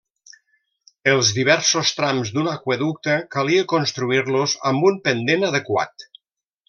Els diversos trams d'un aqüeducte calia construir-los amb un pendent adequat.